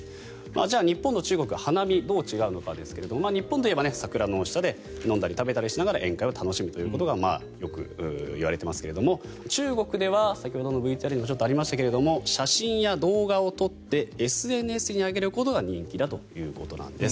じゃあ日本と中国花見、どう違うのかですが日本でいえば桜の下で飲んだり食べたりしながら宴会を楽しむことがよく言われていますが中国では先ほどのＶＴＲにもちょっとありましたが写真や動画を撮ってＳＮＳに上げることが人気だということなんです。